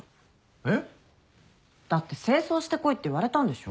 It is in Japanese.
えっ？だって正装してこいって言われたんでしょ？